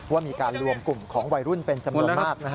ว่ามีการรวมกลุ่มของวัยรุ่นเป็นจำนวนมาก